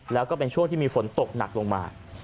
แล้วก็เป็นช่วงที่มีฝนตกหนักลงมา